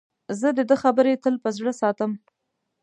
زه د ده خبرې تل په زړه ساتم.